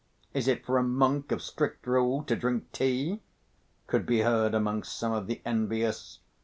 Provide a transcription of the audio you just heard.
Is it for a monk of strict rule to drink tea?" could be heard among some of the envious.